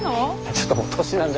ちょっともう年なんで。